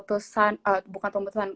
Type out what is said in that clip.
itu juga salah satu untuk pemutusan rantai